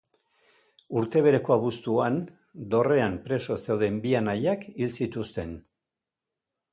Urte bereko abuztuan, Dorrean preso zeuden bi anaiak hil zituzten.